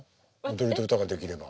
踊りと歌ができれば。